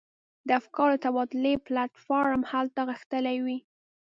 د افکارو د تبادلې پلاټ فورم هلته غښتلی وي.